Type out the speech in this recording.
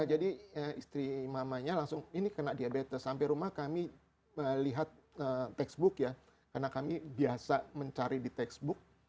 jadi istri mamanya langsung ini kena diabetes sampai rumah kami lihat textbook ya karena kami biasa mencari di textbook